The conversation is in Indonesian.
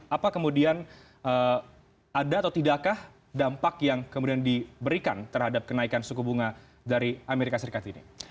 apa kemudian ada atau tidakkah dampak yang kemudian diberikan terhadap kenaikan suku bunga dari amerika serikat ini